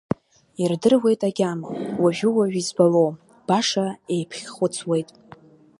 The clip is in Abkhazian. Ирдыруеит агьама, уажәы-уажә избало, баша еиԥхьхәыцуеит…